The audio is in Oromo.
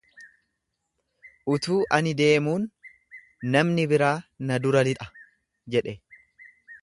Utuu ani deemuun namni biraa na dura lixa jedhe.